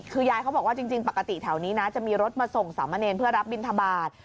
คือยายเขาบอกว่าจริงปกติแถวนี้นะจะมีรถมาส่งสามเณรเพื่อรับบินทบาท